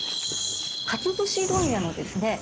かつぶし問屋のですね